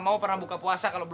mas menurut aku sakit mas